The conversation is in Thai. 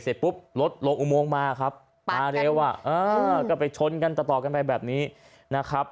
เสร็จปุ๊บรถลงอุโมงมาครับมาเร็วอ่ะเออก็ไปชนกันต่อกันไปแบบนี้นะครับ